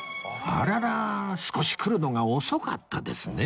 あらら少し来るのが遅かったですね